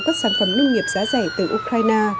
các sản phẩm linh nghiệp giá rẻ từ ukraine